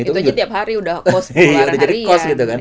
itu aja tiap hari udah kos